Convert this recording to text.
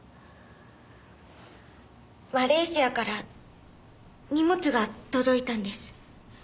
マレーシアから荷物が届いたんです。